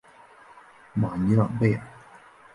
马尼朗贝尔。